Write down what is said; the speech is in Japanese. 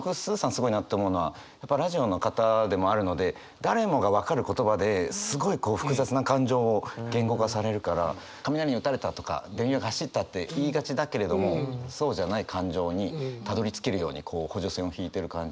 すごいなって思うのはやっぱラジオの方でもあるので誰もが分かる言葉ですごい複雑な感情を言語化されるから「雷に打たれた」とか「電流が走った」って言いがちだけれどもそうじゃない感情にすてき。